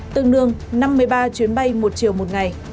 tương đương năm mươi ba chuyến bay một chiều một ngày